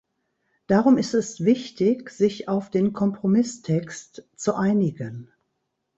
Darum ist es wichtig, sich auf den Kompromisstext zu einigen.